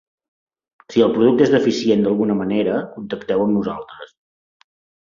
Si el producte és deficient d'alguna manera, contacteu amb nosaltres.